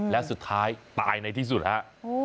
และสุดท้ายตายในที่สุดฮะ